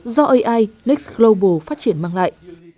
do ai next global phát triển mang lại